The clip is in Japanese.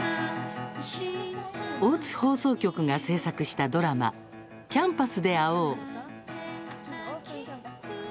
大津放送局が制作したドラマ「キャンパスで会おう！」。